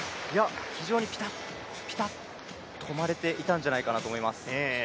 非常にピタッ、ピタッと止まれていたんじゃないかなと思います。